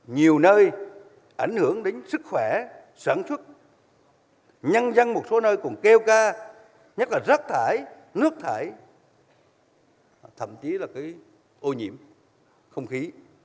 nhiều nơi ảnh hưởng đến sức khỏe sản xuất nhân dân một số nơi còn kêu ca nhất là rác thải nước thải thậm chí là ô nhiễm không khí